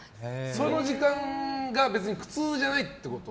その時間が別に苦痛じゃないってこと？